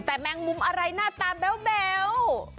แต่แมงมุมอะไรหน้าตาแบ๊ว